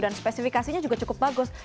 spesifikasinya juga cukup bagus